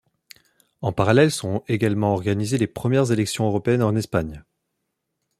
En parallèle sont également organisées les premières élections européennes en Espagne.